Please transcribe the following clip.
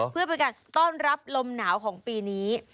เพื่อเป็นการต้อนรับลมหนาวของปีนี้